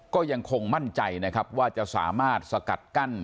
ก็ยังคงมั่นใจนะครับว่าจะสามารถสกัดกั้น